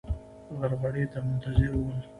غرغړې ته منتظر ول.